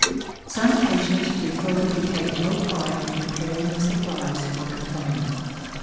Some patients prefer to take no part in preparing the supplies for confinement.